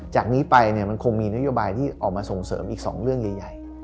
จากนี้ไปมันคงมีนโยบายที่ออกมาส่งเสริมอีก๒เรื่องใหญ่